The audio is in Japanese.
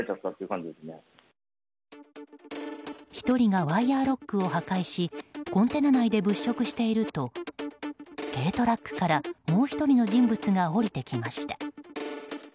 １人がワイヤロックを破壊しコンテナ内で物色していると軽トラックからもう１人の人物が降りてきました。